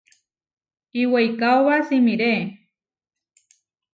Iweikaóba simiré.